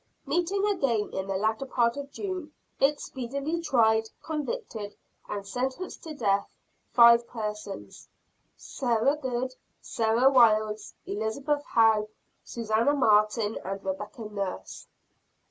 Meeting again in the latter part of June, it speedily tried, convicted and sentenced to death five persons: Sarah Good, Sarah Wildes, Elizabeth How, Susanna Martin and Rebecca Nurse.